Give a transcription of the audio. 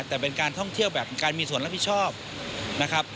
แต่เป็นการท่องเที่ยวแบบการมีส่วนรับผิดชอบนะครับ